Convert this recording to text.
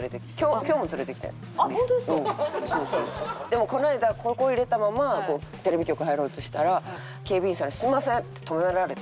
でもこの間ここ入れたままテレビ局入ろうとしたら警備員さんに「すみません！」って止められて。